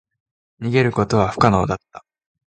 逃げることは不可能だった。